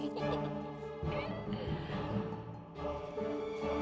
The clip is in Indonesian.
pindah ke rumah fawzan lagi